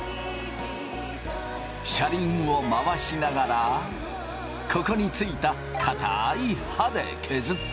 車輪を回しながらここについた硬い刃で削っていく。